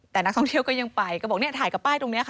แต่นักท่องเที่ยวก็ยังไปก็บอกเนี่ยถ่ายกับป้ายตรงนี้ค่ะ